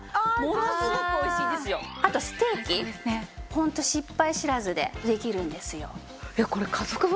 ホント失敗知らずでできるんですよ。